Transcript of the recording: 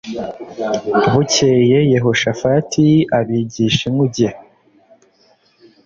bukeye yehoshafati ab jisha inkuge